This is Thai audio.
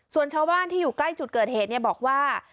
ส่วนชาวบ้านที่อยู่ใกล้จุดเกิดเหตุบอกว่า